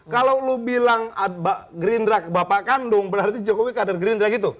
kalau lo bilang gerindra bapak kandung berarti jokowi kader gerindra gitu